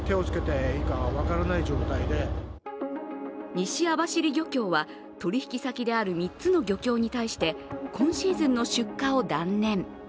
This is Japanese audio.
西網走漁協は取引先である３つの漁協に対して今シーズンの出荷を断念。